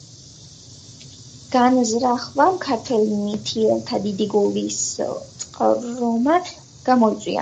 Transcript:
განზრახვამ ქართველ მთიელთა დიდი გულისწყრომა გამოიწვია.